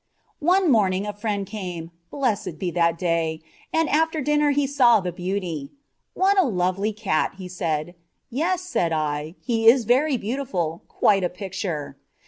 One morning a friend came blessed be that day and after dinner he saw "the beauty." "What a lovely cat!" said he. "Yes," said I, "he is very beautiful, quite a picture."